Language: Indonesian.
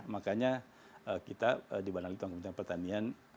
makanya kita di banalik tuan kementerian pertanian